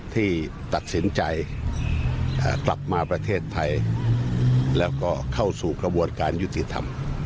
ที่ตัดสินใจกลับมาประเทศไทยแล้วก็เข้าสู่กระบวนการยุติธรรม